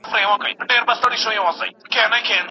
د بدن قوت لپاره هګۍ وکاروئ.